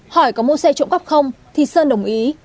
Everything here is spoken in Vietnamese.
hỏi có mua xe trộm cắp không thì sơn đồng ý